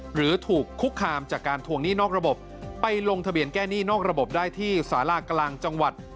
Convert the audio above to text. หรือถูกคุกคามจากการทวงหนี้นอกระบบไปลงทะเบียนแก้หนี้นอกระบบได้ที่สารากลางจังหวัด